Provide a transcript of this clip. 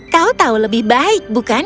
kau tahu lebih baik bukan